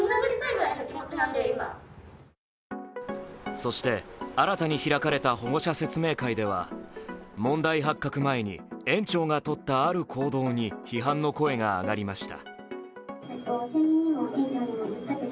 そして、新たに開かれた保護者説明会では問題発覚前に園長がとったある行動に批判の声が上がりました。